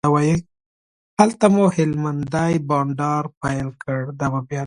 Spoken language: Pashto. هلته مو هلمندی بانډار پیل کړ.